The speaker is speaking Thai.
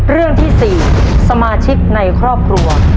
เรื่องที่๔สมาชิกในครอบครัว